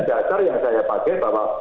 dasar yang saya pakai